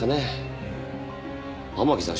天樹さん